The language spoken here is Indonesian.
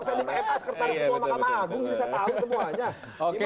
mahkamah gunggung saya tahu semuanya